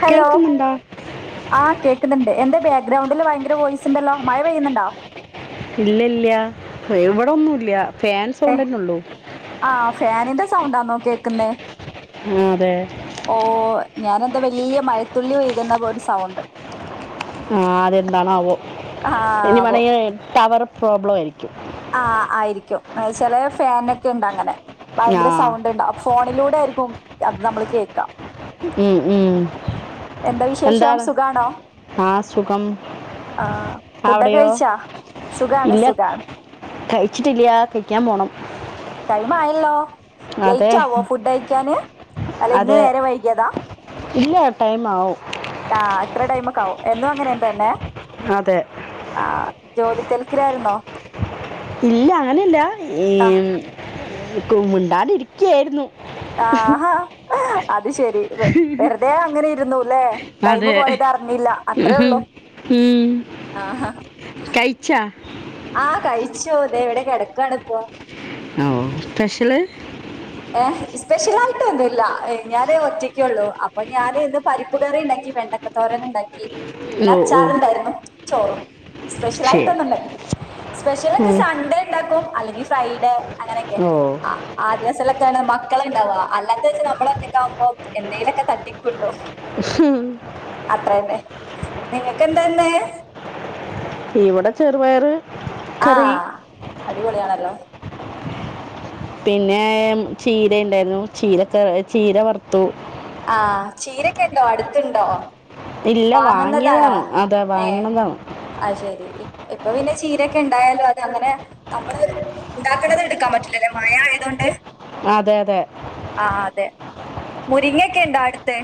Hello കേൾക്കുന്നുണ്ടോ ആഹ് കേക്കുന്നുണ്ട് എന്തേ ബാക്ക്ഗ്രൗണ്ടില് ഭയങ്കര വോയിസ് ണ്ടല്ലോ മഴ പെയ്യുന്നുണ്ടോ ഇല്ല ഇല്ല എവിടൊന്നുംല്ല ഏ ആ ഫാനിന്റെ സൗണ്ടാന്നോ കേൾക്കുന്നേ ആ, അതെ ഓ ഞാനെന്ത വലിയ മഴത്തുള്ളി ഒഴുകുന്ന ഒരു സൗണ്ട് ആഹ് അതെന്താണാവോ ആ ഇനി അപ്പോ വേണ ടവർ പ്രോബ്ലം ആയിരിക്കും ആ ആയിരിക്കും എന്നച്ചല ഫാനോക്കെ ഉണ്ട് അങ്ങനെ ആ ഭയങ്കര സൗണ്ട് ഉണ്ടാവ ഫോണിലൂടെ ആയിരിക്കും അത് നമ്മൾ കേക്കാം ഉം, ഉം. എന്താണ് ആ സുഖം ആ ഫുഡൊക്കെ അവിടെയോ കഴിച്ചാ സുഖാണ് ഇല്ല സുഖാണ് കഴിച്ചിട്ടില്ല കഴിക്കാൻ പോണം ടൈം ആയല്ലോ അതെ ലേറ്റ് ആവോ ഫുഡ് കഴിക്കാന് അല്ല ഇന്ന് അതെ നേരെ വൈകിയതാ ഇല്ല ടൈം ആവും ആഹ് എത്ര ടൈം ഒക്ക ആവും എന്നും അങ്ങനെ എന്ത തന്നെ അതെ ആഹ് ജോലി തെൽക്കിലായിരുന്നോ ഇല്ല അങ്ങനെല്ല ഈ കു മിണ്ടാണ്ട് ഇരിക്കായിരുന്നു ആഹാ അത് ശരി വെറുതെ അങ്ങനെ ഇരുന്നു അല്ലേ ടൈം അതെ പോയത് അറിഞ്ഞില്ല അത്രേയള്ളൂ ഉം. ആഹഹ ഉ ആഹ് കഴിച്ചു ദേ ഇവിടെ കിടക്കാണിപ്പോ ഓ സ്പെഷ്യല് ഏ സ്പെഷ്യൽ ആായിട്ട് ഒന്നും ഇല്ല ഞാാന് ഒറ്റക്കുള്ളൂ അപ്പൊ ഞാാന ഇന്ന് പരിപ്പ് കറി ഉണ്ടാക്കി വെണ്ടക്കത്തോരൻ ഉണ്ടാക്കി ഓ പിന്നെ ഓ അച്ചാറുണ്ടായിരുന്നു ചോറും സ്പെഷ്യൽ ശരി ആയിട്ടൊന്നും ഉണ്ടായിരിക്കില്ല സ്പെഷ്യൽ ഒക്കെ ഉം. സൺഡേ ഉണ്ടാക്കും അല്ലെങ്കിൽ ഫ്രൈഡേ അങ്ങനെയൊക്കെ ഓ ആ ൊക്കാണ് മക്കള ഇണ്ടാവ അല്ലാത്ത വെച്ച നമ്മളൊക്കക്ക ആകുമ്പോ എന്തെലൊക്കെ തട്ടിക്കൂട്ടും അത്രന്നെ നിങ്ങക്ക്െന്താന്നെ ഇവിടെ ചെറുപയറ് ആഹ അടിപൊളിയാണല്ലോ പിന്നെ ചീര ഉണ്ടായിരുന്നു ചീരക്കെ ചീര വറുത്തു ആഹ ചീരൊക്കെ ഉണ്ടോ അടുത്തണ്ടോ ഇല്ല വാങ്ങിയതാണ് അതെ ഏ വാങ്ങണതാണ് അത് ശരി ഇപ്- ഇപ്പൊ പിന്നെ ചീരൊക്കെ ഉണ്ടായാലോ അത് അങ്ങനെ നമ്മള് ഉണ്ടാക്കേണ്ടത് എടുക്കാൻ പറ്റില്ലല്ലേ മഴ ആയത കൊൊണ്ട് അതെ അതെ മുരിങ്ങെ ക്കണ്ട അടുത്തെ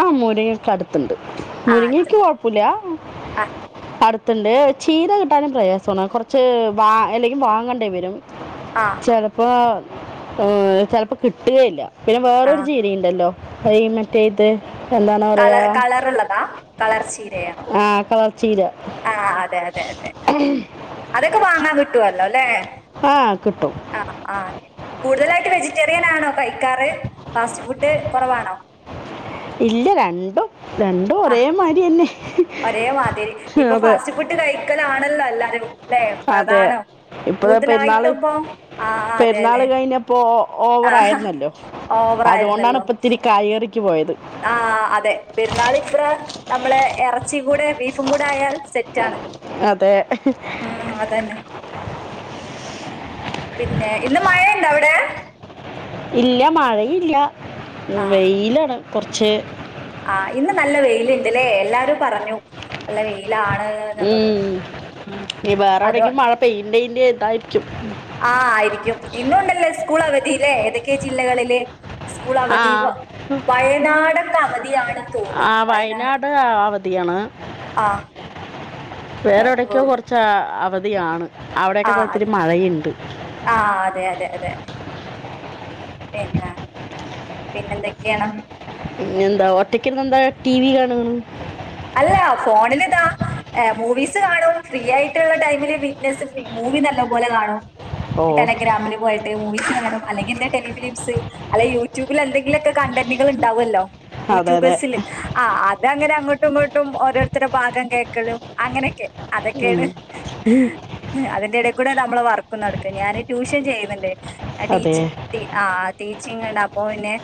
ആഹ മൂരങ്ങൊക്ക അടുത്തുണ്ട് മുറിങ്ങിൽക്ക് കുഴപ്പില്ലയാ ആഹ അടുത്തുണ്ട് ചീര കിട്ടാനും പ്രയാസമാണ് കുറച്ച് വാ അല്ലെങ്കിൽ വാങ്ങേണ്ടി വരും ആ ചലപ്പ ആ ചിലപ്പോ കിട്ടുകയില്ല പിന്നെ ആ വേറൊരു ജീരി ഉണ്ടല്ലോ അ മറ്റേ ഇത് എന്താണ് കളർ പറയുക കളർള്ളതാ കളർ ചീരയാണോ ആ കളർ ചീര ആ അതെ അതെ അതെ അതൊക്കെ വാങ്ങാൻട്ട പിട്ടല്ലോ അല്ലേ ആ കിട്ടും ആഹ ആഹ കേട്ട കൂടുതലായിട്ട് വെജിറ്റേറിയൻ ആണോ കൈക്കാറ് ഫാസ്റ്റ് ഫുഡ് കുറവാണോ ഇല്ല രണ്ടും രണ്ടും ആ ഒരേമാതിരി തന്നെ ഒരേ മാതിരി ഇപ്പൊ അതെ ഫാസ്റ്റ് ഫുഡ് കഴിക്കലാണല്ലോ എല്ലാരും ല്ലേ അതെ പ്രധാനം ഇപ്പ പെരുന്നാള് കൂടുതലായിട്ടിപ്പോ ആ പെരുന്നാള് അതെന്നെ കഴിഞ്ഞപ്പോ ആ ഓവറ ആയിരുന്നല്ലോ അതുകൊണ്ടാണ് ഇപ്പ ഇത്തിരി കയറി പോയത് ആഹ് അതെ പെരുന്നാൾിത്ര നമ്മള ഇറച്ചിയും കൂടെ ബീഫും കൂടെ ആയാൽ സെറ്റാണ് അതെ ഉം അതന്നെ ആ പിന്നെ ഇന്ന് മഴുണ്ടാ അവിടെ ഇല്ല മഴയും ഇല്ല ആ വെയിലാണ് കുറച്ച് ആ ഇന്ന് നല്ല വെയിലുണ്ട്ല്ലേ എല്ലാരും പറഞ്ഞു നല്ല വെയില ഉം വേറെ എവിടെങ്കിലും മഴ പെയ്യന്റെയിന്റെ ടൈ ആആയിരിക്കും ഇന്നണ്ടല്ലേ സ്കൂൾ അവ ല്ലേ ഏതൊക്കെ ജില്ലകളില് സ്കൂൾ ആ അവധിവ വയനാട് അവധിയാണ് ആ വയനാട് അവധി ധിയാണ് ആ ഏ, ഓ വേറെടക്കോ കുറച്ച അവ ആണ് ആ അതെ ആ അതെ അതെ അതെ പിന്നെന്നാ പിന്നെ എന്തൊക്കെയെയാണ് പിന്നെ എന്താ ഒറ്റക്കന്ന എന്താ ടി വി കാണ അല്ല ഫോണിൽതാ മൂവീസ് കാണും ഫ്രീ ആയിട്ടുള്ള ടൈമില് വീറ്റ്നസ് ഫീ മൂവി നല്ല പോലെ കാണും ഓ ടെലിഗ്രാമില് പോയിട്ട് മൂവീസ് കാണും അല്ലെങ്കി എന്റെ ടെലിഫിലിംസ് അല്ലെ യൂട്യൂബിൽ എന്തെങ്കിലുമക്കെ കണ്ടന്റുകൾണ്ടാവുമല്ലോ അതെ അതെ യൂട്യൂബേഴസിൽ ആ അതങ്ങനെ തട്ടുംട്ടും ഓരോരുത്തരുടെ ഭാഗം കേൾക്കലും അങ്ങനെയൊക്കെ ഉം. അതൊക്കെയാണ് ഉം, അതിന്റെ ഇട കൂടെ നമ്മള് വർക്ക് നടക്കും ഞാന് ട്യൂഷൻ ചെയ്യുന്നുണ്ട് അതെ ടീച്ച ആ ടീച്ച അപ്പോ പിന്നെ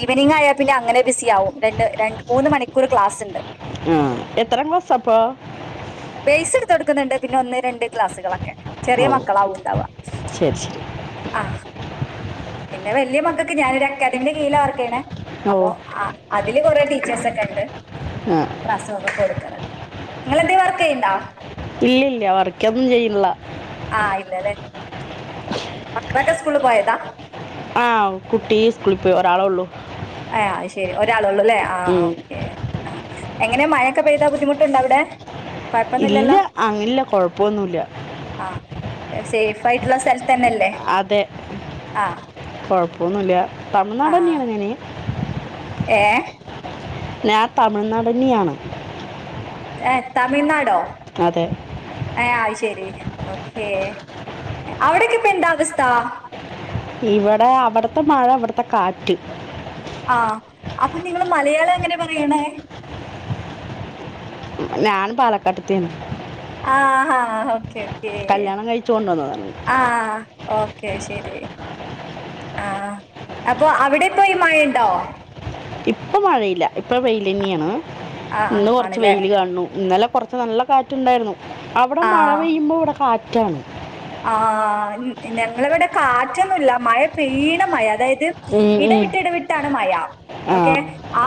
ഈവനിംഗ ആയാൽ പിന്നെ അങ്ങനെ ബിസി ആവും രണ്ട് ര മൂന്നു മണിക്കൂർ ക്ലാസ് ഉണ്ട് ആ എത്രാം ക്ലാസ് അപ്പോ പേസ് എടുത്ത് കൊടുക്കുന്നുണ്ട് പിന്നെ ഒന്ന് രണ്ട് ക്ലാസ്സുകളൊക്കെ ചെറിയ ഓ മക്കളാവുണ്ടവാ ശരി ശരി ആ പിന്നെ വലിയ മക്കൊക്കെ ഞാനൊരു അക്കാദമിന്റെ കീഴയില വർക്ക്‌ ചെയ്യേനെ ഓ അപ്പൊ അത് കുറെ ടീച്ചേഴ്സ ഒക്കെ ഉണ്ട് ആ ത്രാസമൊക്കെ കൊടുത്ത നിങ്ങദേവർക്ക്‌ ക്കല്ല ഇല്ല ഇല്ല വർക്കൊന്നും ചെയ്യില്ല ആ ഇല്ലല്ലേ മക്കൊക്കെ സ്കൂള് പോയതാ ആ കുട്ടി സ്കൂളിൽ പോയി ഒരാളെ ഉള്ളു ആ ശരി ഒ ഒള്ളൂല്ലേ ആ ഓക്കെ ആ എങ്ങനെയാ മഴയൊക്കെ പെയ്താ ബുദ്ധിമുട്ടുണ്ടോ അവിടെ ഇല്ല കുഴപ്പമൊന്നുമില്ലല്ലോ അങ്ങിനില്ല കൊഴപ്പൊന്നുല്ല ആ സേഫ് ആയിട്ടുള്ള സ്ഥല- അതെ കൊഴപ്പൊന്നുല്ല ആ തമിഴ്നാട് തന്നെയാണ് ഞാന് ഏ ഞാൻ തമിഴ്നാടന്നെയാണ് ഏഹ് തമിഴ്നാടോ അതെ ഏ അയ്ശരി ഓക്കെ അവിടെക്കെ ഇപ്പ എന്താ അവസ്ഥ ഇവടെ അവട്ത്തെ മഴ ഇവ്ടത്തെ കാറ്റ് ആ അപ്പൊ നിങ്ങൾ മലയാളം എങ്ങനെ പറയ്ണേ ഞാൻ പാലക്കാട്ടുത്തെണ് ആ ഹ ഓക്കെ- ഓക്കേ കല്യാണം കഴിച്ചോണ്ടന്നതാണ് ആഹ് ഓക്കെ ശരി ആ അപ്പൊ അവിടെപ്പോഴ് മഴ ഇണ്ടോ ഇപ്പൊ മഴയില്ല ഇപ്പം വെയിലന്നെണ് ആഹ് ഇന്ന് കൊർച്ച് ആണല്ലേ വെയില് കാണുണു ഇന്നലെ കുറച്ച് നല്ല കാറ്റ്ണ്ടായിരുന്നു അവിടെ മഴ പെയ്യുമ്പോ ഇവിടെ കാറ്റ്- ട്ടാൺ ആ ന് ഞങ്ങളവ്ടെ കാറ്റൊന്നുല്ല മഴ പെയ്യ്ണ മഴാ അതായ ത് ഇടവിട്ട് ഇടവിട്ടാണ് മഴ ആ ഓക്കെ ആ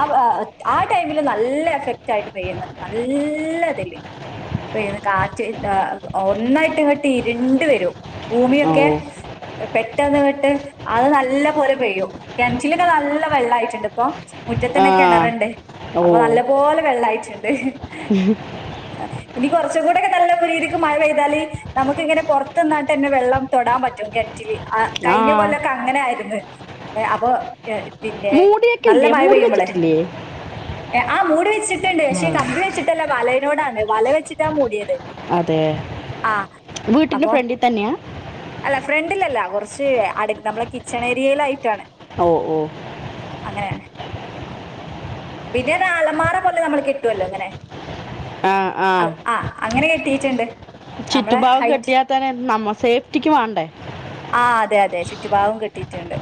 ആ ടൈമിൽ നല്ല എഫക്ടായിട്ട് പെയ്യ്ണ്ട് നല്ല ഇതിൽ പെയ്യ്ണ് കാറ്റ് ഹ് ഒന്നായിട്ട് ഇങ്ങട്ട് ഇര് ഇര്ണ്ട് വരും ഓ ഭൂമിയൊക്കെ പെട്ടെന്ന്ങ്ങട്ട് അഅ് നല്ലപോലെ പെയ്യും കിണറ്റിലൊക്കെ നല്ല വെള്ളായിട്ടുണ്ട് ഇപ്പം ആ മുറ്റത്തന്നെ കിണറുണ്ട് ഓ അപ്പം നല്ലപോലെ വെള്ളവായി റ്റ്ണ്ട് ഇനി കുറച്ചും കൂടെ ഒക്കെ നല്ല രീതിക്ക് മഴ പെയ്താല് നമു ക്ക് ഇങ്ങനെ പുറത്തു നിന്നട്ട് തന്നെ വെള്ളം തൊടാൻ പറ്റും കിണറ്റില് അ ആ കയിഞ്ഞ കൊല്ലം ഒക്കെ അങ്ങനെയായിര്ന്ന് അപ്പം പിന്നെ നല്ല കില്ലെ മഴ മൂടി പെയ്യുമ്പോളെ വെച്ചിട്ടില്ലെ ഏ, ആ മൂടിവച്ചിട്ട് ട്ടുണ്ട് പക്ഷേ കമ്പി വച്ചിട്ടുള്ള വ [unintelligible] വല വച്ചിട്ടാ മൂടിയത് അതെയോ ആ വി ട്ടിൻ്റെ ഫ്രണ്ടി തന്നെയാ ഫ്രഡിൽ അല്ല കൊർച്ച് അട് നമ്മളെ കിച്ചൺ ഏരിയയിലായിട്ടാണ് ഓ ഓ ങ്ങനെയാ പിന്നെ അത് അലമാരപോലെ നമ്മള് കെട്ടുവല്ലോ ഇങ്ങനെ ആ ആ അങ്ങനെ കെട്ടീയിട്ടുണ്ട് ചിട്ടു ഭാവ കട്ടിയാ തെ നമ്മ സേഫ്റ്റിക്ക് വേണ്ടേ ആ അതെ അതെ ചുറ്റുപാവവും കിട്ടിട്ടുണ്ട്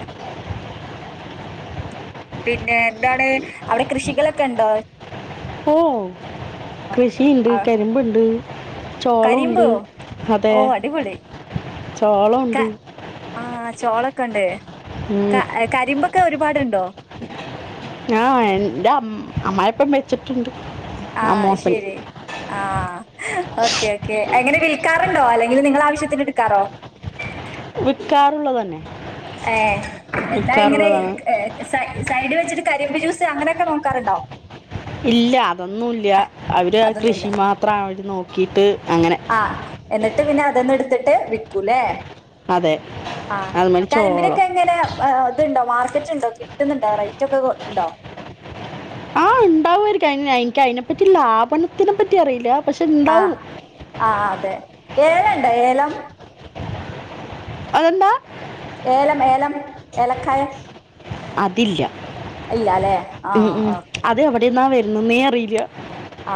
പിന്നെ എന്താണ് അവിടെ കൃഷികളൊക്കെ ഉണ്ടോ ഓ കൃഷിയുണ്ട് ആ, കരിമ്പുണ്ട് കരിമ്പോ ചോളംുണ്ട് അതെ ഓ അടിപൊളി ചോളമുണ്ട് ആ ചോള ക്കണ്ടേ ഉം, കാ കരി്പ ഒക്കെ ഒരുപാടുണ്ടോ ആഹ എന്റെ അ അമ്മപ്പം വെച്ചിട്ടുണ്ട് ആഹ് അമ്മോസൻ ശരി ആഹ ഓക്കെ ഓക്കെ എങ്ങനെ വിൽക്കാറുണ്ടോ അല്ലെങ്കിൽ നിങ്ങ ആവശ്യത്തിന് എടുക്കാറോ വിൽക്കാറുള്ളത് തന്നെ ഏ എന്നാ എങ്ങനെ വിൽക്കാറുള്ളതാണ് സൈഡ് വെച്ചിട്ട് കരിമ്പ് ജ്യൂസ് അങ്ങനെയൊക്കെ നോക്കാറണ്ടോ ഇല്ല അതൊന്നുംല്ല അവര് കൃഷി മാത്രം അവര് നോക്ക കിട്ട് ആഹ എന്നിട്ട് പിന്നെ അതന്ന എടുത്തിട്ട് വിൽക്കൂല്ലേ അതെ ആഹ അതുമാതിരി ചോളം കരിമ്പിലൊക്കെ എങ്ങനെ ഇണ്ടോ മാർക്കറ്റ് ഉണ്ടോ കിട്ടുന്നുണ്ടോ റേറ്റ് ഒക്കെ ഉണ്ടോ ആ ഉണ്ടാവുമായിരിക്കും എനിക്ക് അതിനെപ്പറ്റി ലാഭണത്തിനെ പറ്റി അറിയില്ല പക്ഷെ എന്താവും ഏല ഉണ്ടാ ഏലം അതെന്താ ഏലം ഏലം ഏലക്കായ അതില്ല ഇല്ലാല്ലേ ഉ ആഹ് ഉ ഓക്കെ. അത എവിടെന്നാ വ എന്നന്നീ അറിയില്ല ആ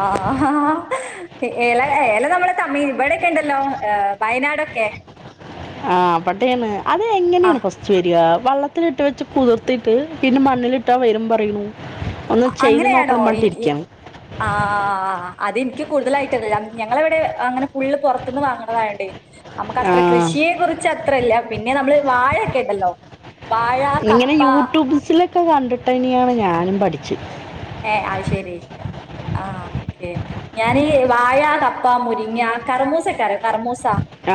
ഏല ഏല നമ്മള തമി ഇവിടെൊക്കെ ഉണ്ടല്ലോ വയനാടൊക്കെ ആഹ പട്ടയാണ് അത് ആഹ് എങ്ങനെയാണ് പസ് വരിക വള്ളത്തിലിട്ട് വെച്ച് കുതിർത്തിട്ട് പിന്നെ മണ്ണിലിട്ടാൽ വരും പറയൂ അങ്ങനെയാണോ ആ അതെനിക്ക് കൂടുതലായിട്ട അല്ല ഞങ്ങള ഇവിടെ അങ്ങനെ ഫള്ള് പുറത്തുന്ന് വാങ്ങണതായണ്ടേ നമുക്ക് ആ അത്ര കൃഷിയെ കുറിച്ച് ച്ചത്രല്ല പിന്നെ നമ്മള് വാഴക്കെ ഇണ്ടല്ലോ വാഴ, ഇങ്ങനെ കപ്പ യൂട്യൂബ്സിലൊക്കെ കണ്ടി ട്ടന്നെയാണ് ഞാനും പഠിച്ച് ഏഹ് അത് ശെരി ആഹ് ഓക്കെ ഞാനീ വാഴ കപ്പ മുരിങ്ങ കറമൂസൊക്കെ അറിയോ കറമൂ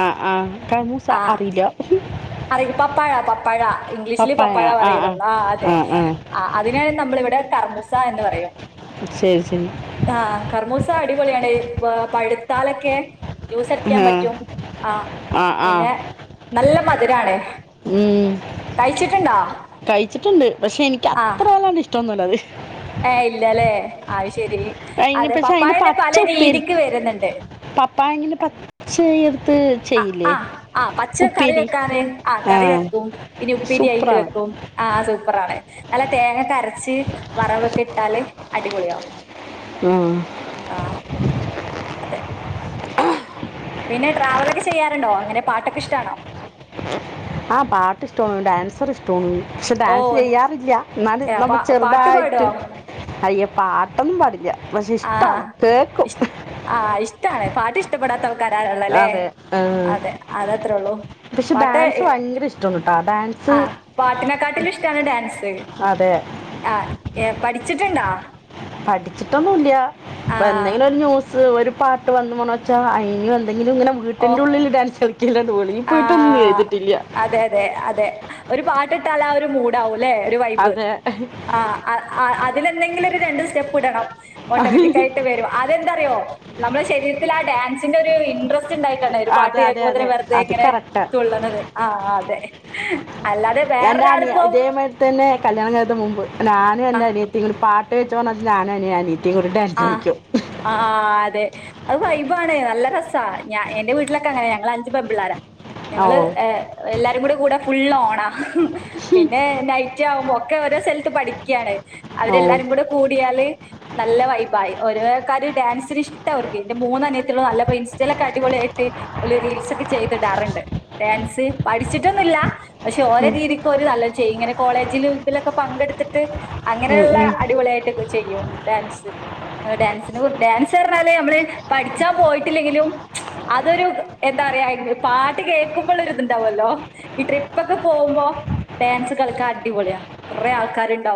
ആഹ് ആഹ് കറിമൂസ അറിയില്ല പ്പായാ പപ്പാഴ ഇംഗ്ലീഷില് പപ്പായ പപ്പാഴ ആ ആ പറയലൊള്ളൂ ആഹ് അതെ ആ അതിന് നമ്മളിവിടെ കറുമൂ സ എന്ന് പറയും. ശരി ശരി സഅടിപൊളിയാണ് പ പഴുത്താലൊക്കെ ജ്യൂസ് അടിക്കാൻ പറ്റും ആ ആ ആ ആ പിന്നെ നല്ല മധുരാണ്. ഉം കഴിച്ചിട്ടുണ്ടോ കഴിച്ചിട്ടുണ്ട്. പക്ഷെ എനിക്ക് അത്ര അങ്ങട് ഇഷ്ട ഒന്നല്ല അത്. ഏ് ഇല്ല ല്ല ആ ശരി. അയിന് അതെ പക്ഷെ അയിന്റെ പപ്പായന്നെ പല പച്ച ഉപ്പേരി രീതിക്ക് വരുന്നുണ്ട് പപ്പായെന്റെ പച്ച ചെയ്യ അ അ ആ പച്ച കറി ഉപ്പേരി വെക്കാന് ആ കറി വെക്കും പിന്നെ ഉപ്പേരി ആയിട്ട് സൂപ്പറാണ് വെക്കും ആ സൂപ്പർ ആണ്. നല്ല തേങ്ങക്കെ അരച്ച് വറവൊക്കെ ഇട്ടാല് അടി പൊളിയാവും. ഉം. ആഹ് അതെ. പിന്നെ ട്രാവലൊക്കെ ചെയ്യാറുണ്ടോ അങ്ങനെ പാട്ടൊക്കെ ഇഷ്ടാണോ? ആഹ് പാട്ടിഷ്ടമാണ് ഡാൻസർ ഇഷ്ടമാണ്. പക്ഷെ ഓ ഡാൻസ് ചെയ്യാറില്ല എന്നാല് ഏഹ് നമ്മ പാ പാട്ട് ചെറുതായിട്ട് പാടോ അയ്യ പാട്ടൊന്നും പാടില്ല. പക്ഷെ ഇഷ്ടാണ് ആഹ് കേക്കും. ഇഷ് ആഹ് ഇഷ്ടാണ് പാട്ടിഷ്ട പെടാത്തവ വരാറുള്ളല്ലേ അതെ ഉം. അതെ അതത്രേള്ളൂ പക്ഷെ പാട്ട് ഡാൻസ് ഭയങ്കര ഇഷ്ടമാണ് കേട്ടോ ഡാൻസ് ആഹ് പാട്ടിനെക്കാട്ടില് ഇഷ്ടാണ് ഡാൻസ് അതെ ആഹ് പഠിച്ചിട്ടുണ്ടാ? പഠി ച്ചിട്ടൊന്നൂല്ല ഇപ്പൊ എന്തെങ്കിലും ഒരു ന്യൂസ് ഉം ഒരു പാട്ട് വന്നൂന്ന് വെച്ചാ അയ്നും [unintelligible] എന്നും ഇങ്ങനെ വീട്ടിന്റെ ഓഹ് ഉള്ളിൽ ഡാൻസ് കളിക്കേല്ലാണ്ട് വെളി ആ പോയിട്ടൊന്നും ചെയ്തിട്ടില്ല. അതെ അതെ അതെ ഒരു പാട്ടിട്ടാലാ ഒരു മൂടാവ അല്ലെ ഒരു വൈബ് അതെ ആഹ് ആ അ അതിലെന്തെങ്കിലും ഒരു രണ്ട് സ്റ്റെപ്പ് ഇടണംോ ഓട്ടോമാറ്റിക് ആയിട്ട് വരും അതെന്താറിയോ നമ്മുടെ ശരീരത്തില ആ ഡാൻസിന്റെ ഒരു ഇൻ്ര ണ്ടായിക്കണ്ടേ ഒരു പാട്ട് അതെ അതെ അതെ കേൾക്കുമ്പോത്തേെ അത് കറക്റ്റാണ് ഹ എന്റെ ഞാനൻ ആ എന്നെ അിയത്തി ഇങ്ങനൊട്ട് വെോ ഞാന ഞാാന ആഹ് ആ അതെ അത് വൈബാണ് നല്ല രസ ഞ എന്റെ വീട്ടിലൊക്കെ അങ്ങനെ ഞങ്ങൾ അഞ്ച് പെ പിിള്ളോര ഓ ഞങ്ങള്ൾ എല്ലാരും കൂടെ കൂടെ പുല്ലോണ പിന്നെ നൈറ്റ് ആവുമ്പോ ഒക്കെ ഓരോ സ്ഥലത്ത് പഠിക്കുകയാണ്േ ഓ അവരെല്ലാരും കൂടെ കൂടിയാല് നല്ല ബായ ഓരോക്കാര്ർ ഡാൻസിന് ഇഷ്ടം അവർക്ക് ഇന്റെ മൂന്നനയത്തിലുള്ള നല്ല ഇൻസ്റ്റയിലൊക്കെ അടിപൊളിയ ആായിട്ട് ഒരു റീൽസ് ഒക്കെ ചെയ്തിടാറുണ്ട് ഡാൻസ് പഠിച്ചിട്ടൊന്നുമില്ല പക്ഷെ ഓരോ ഉം, രീതിക്കും അവര് നല്ല ഇങ്ങനെ കോളേജിൽ ഇതിലൊക്കെ പങ്കെടുത്തിട്ട് ഉം, അങ്ങനെയുള്ള ഉം. അടിപൊളിയായിട്ടൊക്കെ ചെയ്യും ഡാൻസിന് ഡാൻസ് പറഞ്ഞാല്േ നമ്മള് പഠിച്ചാൻ പോയിട്ടില്ലെങ്കിലും അതൊരു എന്താ പറയാ പാട്ട് കേക്കുമ്പോൾ ഒരിതുണ്ടാവുമല്ലോ ഈ ട്രിപ്പൊക്കെ പോകുമ്പോ ഡാൻസ് കളിക്കാൻ അടിപൊളിയാ കുറേ ആൾക്കാരുണ്ടാവും